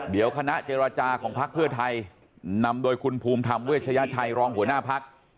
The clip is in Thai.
เดี๋ยวคณะเจรจาของพักเพื่อไทยนำโดยคุณภูมิธรรมเวชยชัยรองหัวหน้าพัก